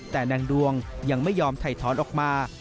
แต่นางดวงยังไม่ยอมถ่ายถอนออกมา